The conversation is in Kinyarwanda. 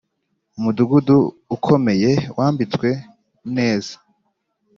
Umudugudu ukomeye wambitswe neza